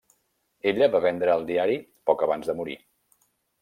Ella va vendre el diari poc abans de morir.